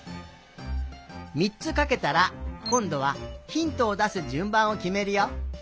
３つかけたらこんどはひんとをだすじゅんばんをきめるよ。